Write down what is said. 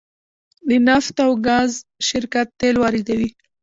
د نفت او ګاز شرکت تیل واردوي